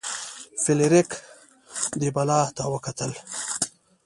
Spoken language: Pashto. فلیریک دې بلا ته وکتل.